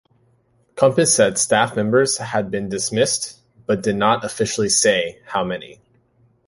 Compass said staff members had been dismissed but did not officially say how many.